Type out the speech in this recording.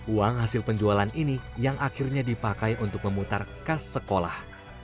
uang hasil penjualan ini yang akhirnya dipakai untuk memutar kas sekolah